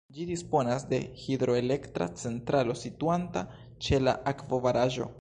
Ĝi disponas de hidroelektra centralo situanta ĉe la akvobaraĵo.